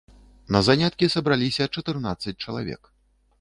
На заняткі сабраліся чатырнаццаць чалавек.